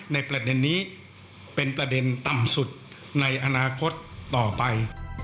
ในประเด็นนี้เป็นประเด็นต่ำสุดในอนาคตต่อไป